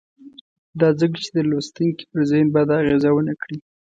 دا ځکه چې د لوستونکي پر ذهن بده اغېزه ونه کړي.